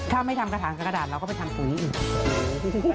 ถ้าไม่ทำกระถางกระดาษเราก็ไปทำปุ๋ยอื่น